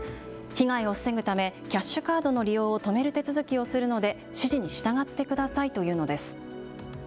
被害を防ぐためキャッシュカードの利用を止める手続きをするので指示に従ってくださいと言うのです。